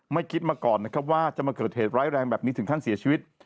ไม่คิดมาก่อนว่าจะมาเกิดเหตุไร้แรงแบบนี้ถึงขั้นเสียชีวิต